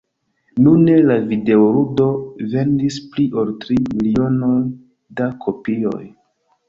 Nune la videoludo vendis pli ol tri milionoj da kopioj.